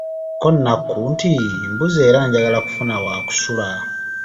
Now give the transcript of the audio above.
Ko Nakku nti, mbuze era njagala kufuna wa kusula!